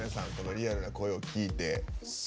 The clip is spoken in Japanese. リアルな声を聞いて。